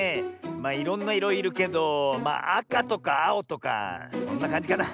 まあいろんないろいるけどあかとかあおとかそんなかんじかな。